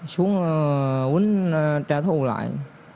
xuống uốn trả thù lại